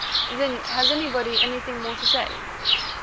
"Then has anybody anything more to say?"